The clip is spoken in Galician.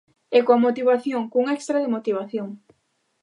E con motivación, cun extra de motivación.